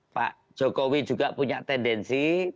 pak jokowi juga punya tendensi